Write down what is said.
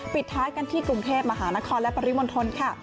ปิดท้ายกันที่กรุงเทพมหานครและปริมณฑลค่ะ